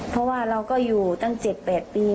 เพราะว่าเราก็อยู่ตั้ง๗๘ปี